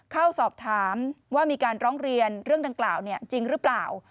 เข้าสอบถามว่ามีการร้องเรียนเรื่องดังกล่าวจริงหรือเปล่า